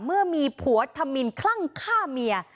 เมื่อมีผัวธมินคลั่งฆ่าเมีย